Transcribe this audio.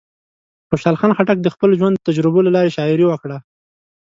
خوشحال خان خټک د خپل ژوند د تجربو له لارې شاعري وکړه.